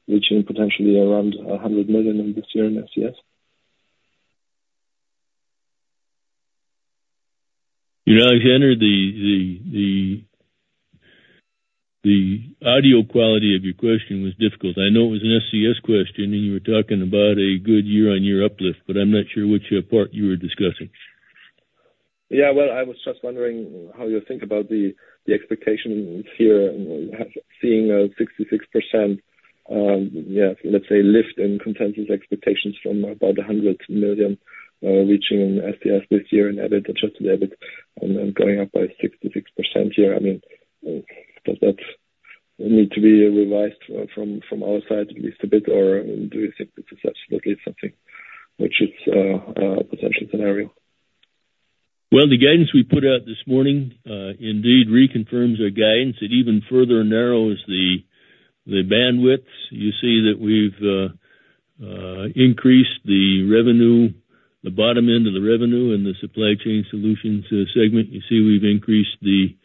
reaching potentially around 100 million this year in SCS? Alexander, the audio quality of your question was difficult. I know it was an SCS question, and you were talking about a good year-on-year uplift, but I'm not sure which part you were discussing. Yeah, well, I was just wondering how you think about the expectations here, seeing a 66%, let's say, lift in consensus expectations from about 100 million reaching in SCS this year in EBIT, adjusted EBIT, and then going up by 66% here. I mean, does that need to be revised from our side at least a bit, or do you think this is absolutely something which is a potential scenario? The guidance we put out this morning indeed reconfirms our guidance. It even further narrows the bandwidth. You see that we've increased the revenue, the bottom end of the revenue in the supply chain solutions segment. You see we've increased the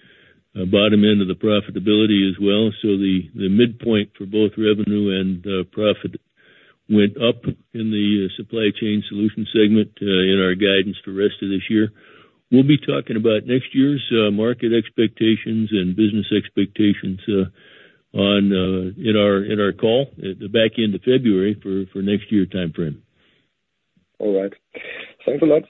bottom end of the profitability as well, so the midpoint for both revenue and profit went up in the supply chain solutions segment in our guidance for the rest of this year. We'll be talking about next year's market expectations and business expectations in our call at the back end of February for next year's time frame. All right. Thanks a lot.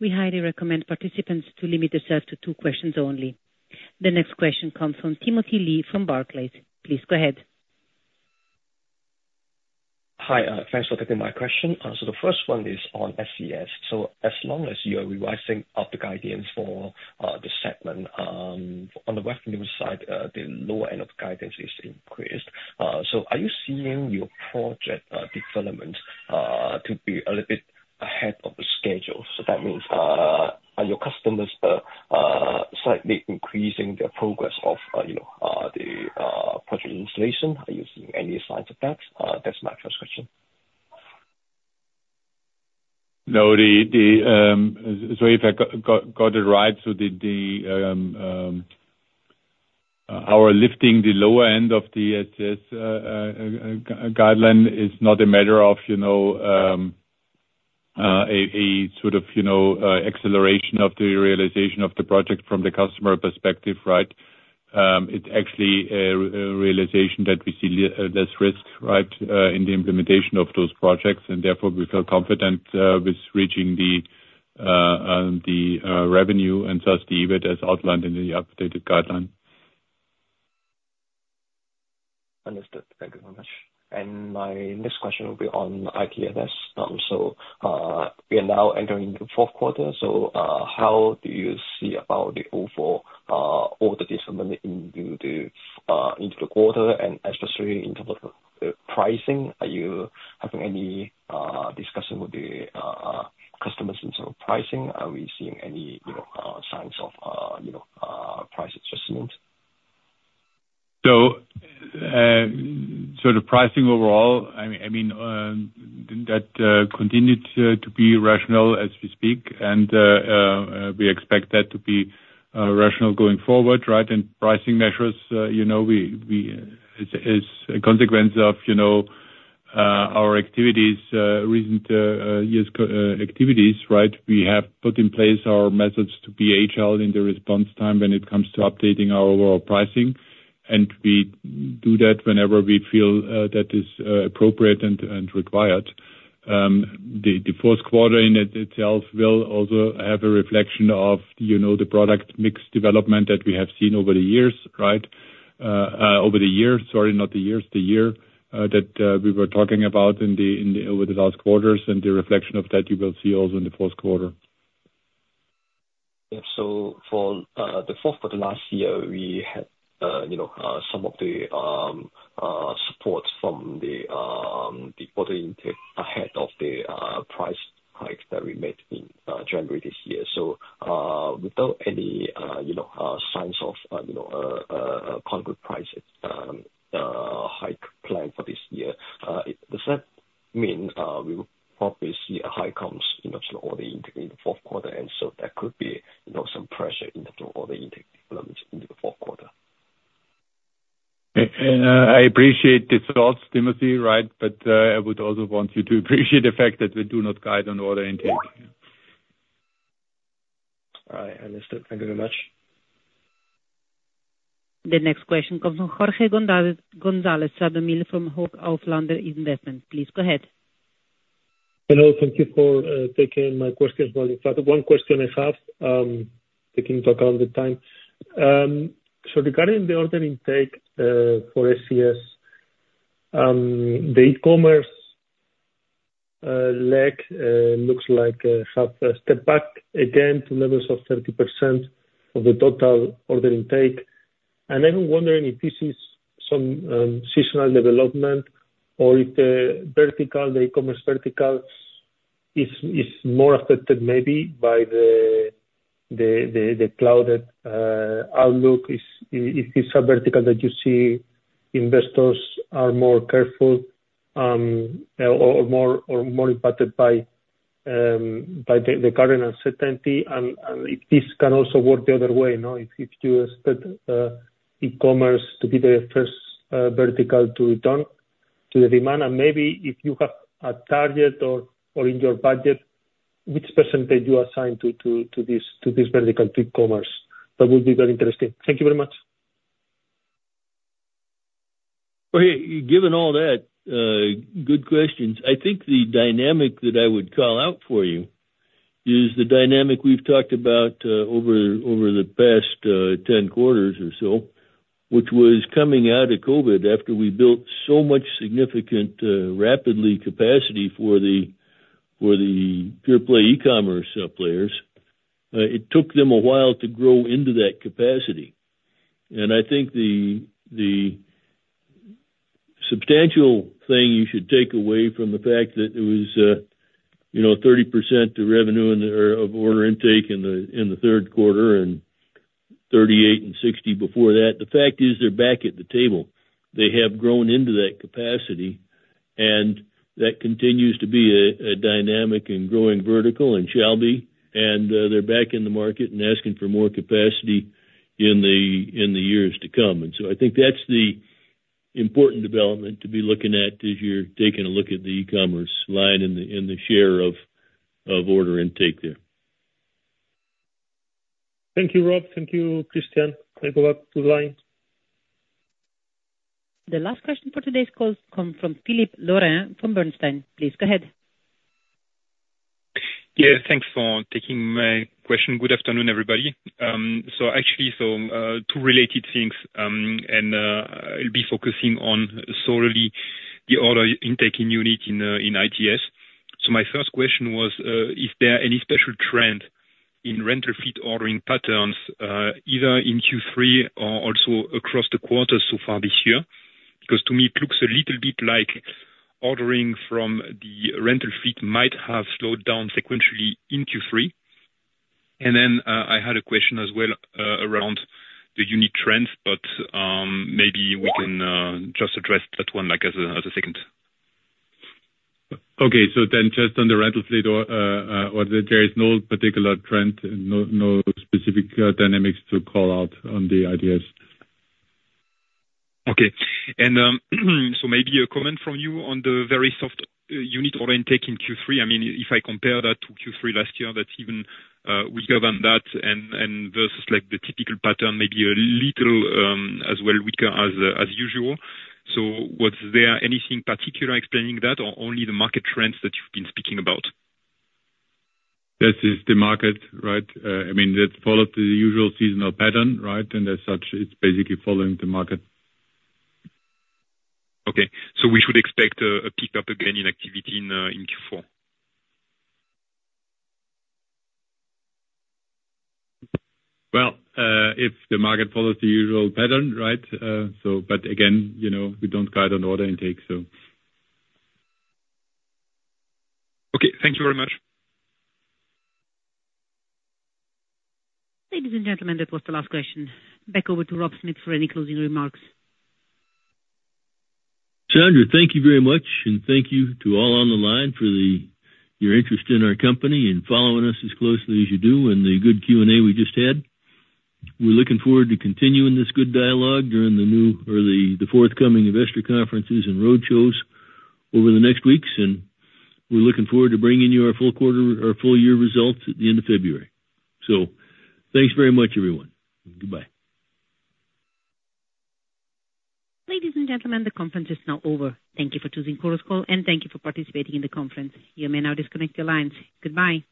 Bye. We highly recommend participants to limit themselves to two questions only. The next question comes from Timothy Lee from Barclays. Please go ahead. Hi. Thanks for taking my question. So the first one is on SCS. So as long as you're revising up the guidance for the segment, on the revenue side, the lower end of the guidance is increased. So are you seeing your project development to be a little bit ahead of the schedule? So that means are your customers slightly increasing their progress of the project installation? Are you seeing any signs of that? That's my first question. No. So if I got it right, so our lifting the lower end of the SCS guideline is not a matter of a sort of acceleration of the realization of the project from the customer perspective, right? It's actually a realization that we see less risk, right, in the implementation of those projects, and therefore we feel confident with reaching the revenue and thus the EBIT as outlined in the updated guideline. Understood. Thank you very much. And my next question will be on ITS. So we are now entering the fourth quarter. So how do you see about the overall order intake declining into the quarter and especially into the pricing? Are you having any discussion with the customers in terms of pricing? Are we seeing any signs of price adjustment? So sort of pricing overall, I mean, that continues to be rational as we speak, and we expect that to be rational going forward, right? And pricing measures, it's a consequence of our activities, recent years' activities, right? We have put in place our methods to be agile in the response time when it comes to updating our overall pricing, and we do that whenever we feel that is appropriate and required. The fourth quarter in itself will also have a reflection of the product mix development that we have seen over the years, right? Over the years, sorry, not the years, the year that we were talking about over the last quarters, and the reflection of that you will see also in the fourth quarter. So for the fourth quarter last year, we had some of the support from the order intake ahead of the price hike that we made in January this year. So without any signs of quite as good a price hike planned for this year, does that mean we will probably see a hike come into order intake in the fourth quarter? And so that could be some pressure on order intake development in the fourth quarter. And I appreciate the thoughts, Timothy, right? But I would also want you to appreciate the fact that we do not guide on order intake. All right. Understood. Thank you very much. The next question comes from Jorge Gonzalez Sadornil from Hauck Aufhauser Investment. Please go ahead. Hello. Thank you for taking my questions. One question I have, taking into account the time, so regarding the order intake for SCS, the e-commerce leg looks like have stepped back again to levels of 30% of the total order intake, and I'm wondering if this is some seasonal development or if the e-commerce vertical is more affected maybe by the clouded outlook. Is it a vertical that you see investors are more careful or more impacted by the current uncertainty? And if this can also work the other way, if you expect e-commerce to be the first vertical to return to the demand, and maybe if you have a target or in your budget, which percentage you assign to this vertical, to e-commerce? That would be very interesting. Thank you very much. Well, given all that, good questions. I think the dynamic that I would call out for you is the dynamic we've talked about over the past 10 quarters or so, which was coming out of COVID after we built so much significant rapidly capacity for the pure play e-commerce players. It took them a while to grow into that capacity. And I think the substantial thing you should take away from the fact that it was 30% of revenue and order intake in the third quarter and 38 and 60 before that. The fact is they're back at the table. They have grown into that capacity, and that continues to be a dynamic and growing vertical and shall be. And they're back in the market and asking for more capacity in the years to come. I think that's the important development to be looking at as you're taking a look at the e-commerce line and the share of order intake there. Thank you, Rob. Thank you, Christian. Thank you for the line. The last question for today's call comes from Philippe Lorrain from Bernstein. Please go ahead. Yeah. Thanks for taking my question. Good afternoon, everybody, so actually, two related things, and I'll be focusing on solely the order intake unit in ITS. So my first question was, is there any special trend in rental fleet ordering patterns either in Q3 or also across the quarter so far this year? Because to me, it looks a little bit like ordering from the rental fleet might have slowed down sequentially in Q3, and then I had a question as well around the unit trends, but maybe we can just address that one as a second. Okay. So then just on the rental fleet, there is no particular trend, no specific dynamics to call out on the ITS. Okay. And so maybe a comment from you on the very soft unit order intake in Q3. I mean, if I compare that to Q3 last year, that's even weaker than that versus the typical pattern, maybe a little as well weaker as usual. So was there anything particular explaining that or only the market trends that you've been speaking about? That is the market, right? I mean, that follows the usual seasonal pattern, right, and as such, it's basically following the market. Okay. So we should expect a pickup again in activity in Q4? Well, if the market follows the usual pattern, right? But again, we don't guide on order intake, so. Okay. Thank you very much. Ladies and gentlemen, that was the last question. Back over to Rob Smith for any closing remarks. Sandra, thank you very much, and thank you to all on the line for your interest in our company and following us as closely as you do and the good Q&A we just had. We're looking forward to continuing this good dialogue during the forthcoming investor conferences and roadshows over the next weeks, and we're looking forward to bringing you our full-year results at the end of February. So thanks very much, everyone. Goodbye. Ladies and gentlemen, the conference is now over. Thank you for choosing Chorus Call, and thank you for participating in the conference. You may now disconnect your lines. Goodbye.